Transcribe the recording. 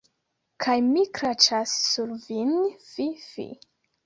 Kaj mi kraĉas sur vin, fi, fi.